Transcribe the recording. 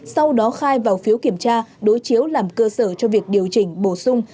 sau đó khai vào phiếu kiểm tra đối chiếu làm cơ sở cho việc điều chỉnh bổ sung